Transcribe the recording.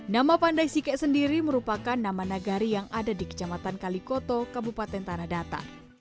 nama pandai sike sendiri merupakan nama nagari yang ada di kecamatan kalikoto kabupaten tanah datar